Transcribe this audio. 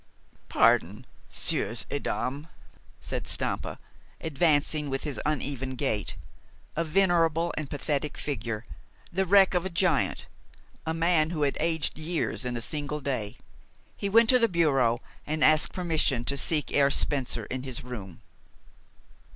"Pardon, 'sieurs et 'dames," said Stampa, advancing with his uneven gait, a venerable and pathetic figure, the wreck of a giant, a man who had aged years in a single day. He went to the bureau, and asked permission to seek Herr Spencer in his room.